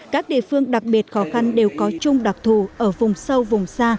các địa phương đặc biệt khó khăn đều có chung đặc thù ở vùng sâu vùng xa